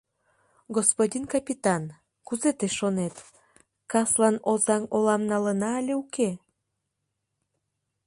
Господин капитан, кузе тый шонет: каслан Озаҥ олам налына але уке?